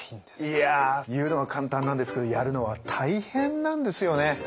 いや言うのは簡単なんですけどやるのは大変なんですよね。